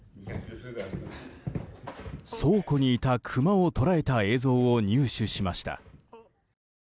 倉庫にいたクマを捉えた映像を入手しました。